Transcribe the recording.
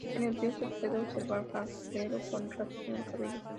En el video se puede observar a Frank Iero con rastas en el cabello.